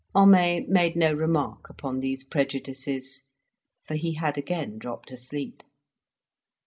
Homais made no remark upon these prejudices, for he had again dropped asleep.